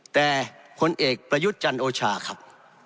แต่คนเอกประยุจรรย์โอชาครับ